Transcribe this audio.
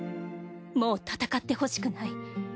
もう戦ってほしくない。